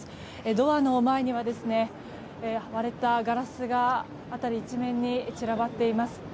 ドアの前には、割れたガラスが辺り一面に散らばっています。